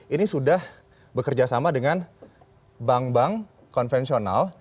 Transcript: ini sudah bekerja sama dengan bank bank konvensional